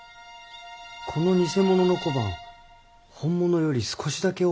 この偽物の小判本物より少しだけ大きいねえ。